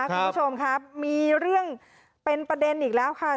คุณผู้ชมครับมีเรื่องเป็นประเด็นอีกแล้วค่ะ